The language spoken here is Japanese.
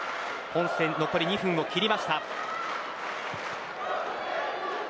本戦、残り２分を切りました。